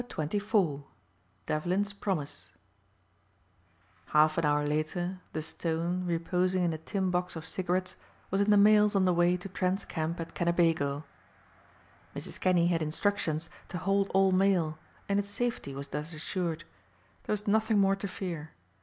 CHAPTER XXIV DEVLIN'S PROMISE HALF an hour later the stone, reposing in a tin box of cigarettes, was in the mails on the way to Trent's camp at Kennebago. Mrs. Kinney had instructions to hold all mail and its safety was thus assured. There was nothing more to fear.